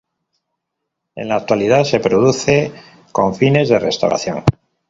En la actualidad se produce con fines de restauración.